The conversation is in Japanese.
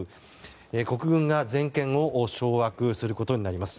国軍が全権を掌握することになります。